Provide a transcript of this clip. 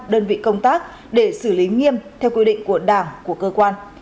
đơn vị công tác để xử lý nghiêm theo quy định của đảng của cơ quan